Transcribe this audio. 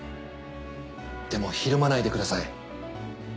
でもひるまないでください。